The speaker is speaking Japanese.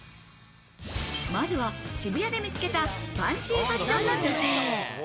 まずは渋谷で見つけたファンシーファッションの女性。